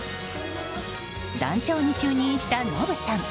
団長に就任したノブさん。